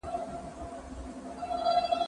که وخت وي، وخت تېرووم؟!